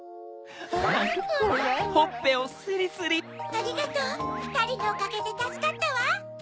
ありがとうふたりのおかげでたすかったわ！